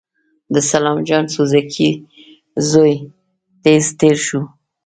د سلام جان سورکی زوی تېز تېر شو.